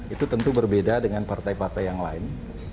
itu tentu berbeda dengan partai partai yang lain